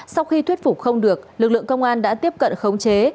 sau khi thuyết phục không được lực lượng công an đã tiếp cận khống chế